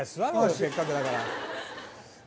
せっかくだから。